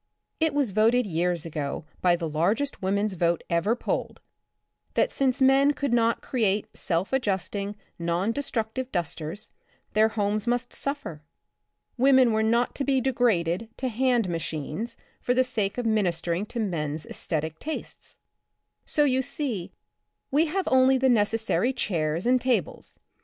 It was voted years ago by the largest womans' vote ever polled, that since men could not create self adjusting, non destructive dusters, their homes must suffer. Women were not to be degraded to hand machines for the sake of ministering to men's aesthetic tastes. So you see we have only the necessarj'^ chairs and tables.